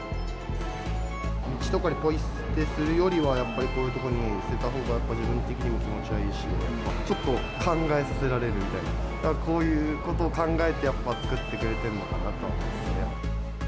道とかにポイ捨てするよりは、やっぱりこういう所に捨てたほうが個人的にも気持ちがいいし、ちょっと考えさせられるみたいな、こういうこと考えてやっぱ作ってくれてるのかなとは思いますね。